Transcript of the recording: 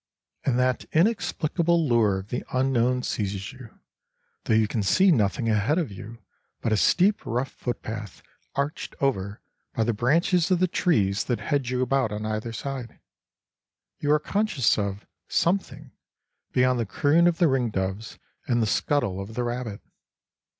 And that inexplicable lure of the unknown seizes you; though you can see nothing ahead of you but a steep rough footpath arched over by the branches of the trees that hedge you about on either side, you are conscious of "something" beyond the croon of the ringdoves and the scuttle of the rabbit.